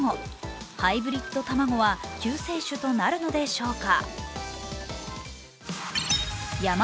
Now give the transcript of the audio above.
ハイブリッド卵は救世主となるのでしょうか。